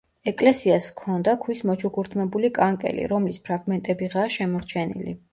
ეკლესიას ჰქონდა ქვის მოჩუქურთმებული კანკელი, რომლის ფრაგმენტებიღაა შემორჩენილი.